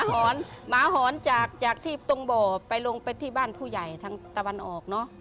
หอนหมาหอนจากจากที่ตรงบ่อไปลงไปที่บ้านผู้ใหญ่ทางตะวันออกเนอะ